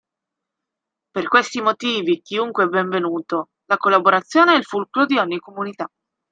Per questi motivi chiunque è il benvenuto: la collaborazione è il fulcro di ogni comunità.